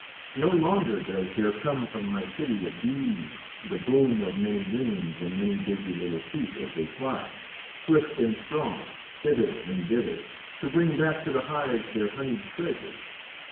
No longer does there come from my city of bees the boom of many wings and many busy little feet as they fly, swift and strong, hither and thither, to bring back to the hives their honeyed treasure.